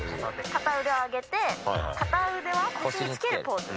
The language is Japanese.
片腕を上げて片腕は腰につけるポーズ。